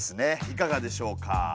いかがでしょうか？